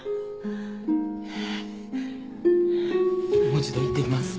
もう一度行ってきます。